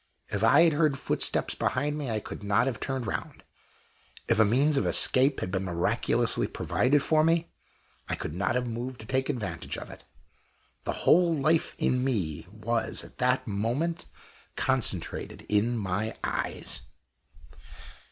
If I had heard footsteps behind me, I could not have turned round; if a means of escape had been miraculously provided for me, I could not have moved to take advantage of it. The whole life in me was, at that moment, concentrated in my eyes.